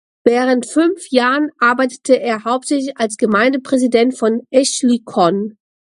Während fünf Jahren arbeitete er hauptsächlich als Gemeindepräsident von Eschlikon.